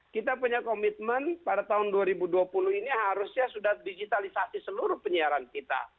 kita punya komitmen pada tahun dua ribu dua puluh ini harusnya sudah digitalisasi seluruh penyiaran kita